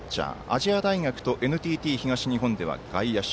亜細亜大学とＮＴＴ東日本では外野手。